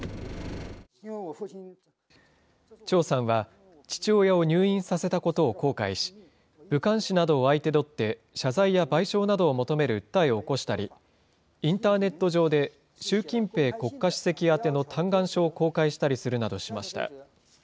張さんは、父親を入院させたことを後悔し、武漢市などを相手取って謝罪や賠償などを求める訴えを起こしたり、インターネット上で習近平国家主席宛ての嘆願書を公開したりするなどしました。